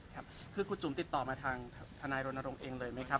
ครับคือครูจุ๋มติดต่อมาทางทนายรณรงค์เองเลยไหมครับ